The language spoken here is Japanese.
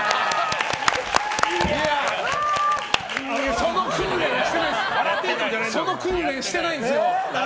その訓練してないんですよ。